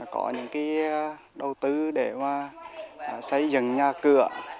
có những cái đầu tư để mà xây dựng nhà cửa